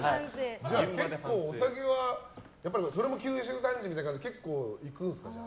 お酒はそれも九州男児みたいな感じで結構いくんですか？